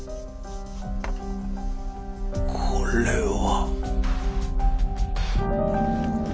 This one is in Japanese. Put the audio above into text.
これは。